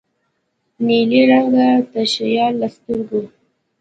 د نیلي رنګه تشیال له سترګو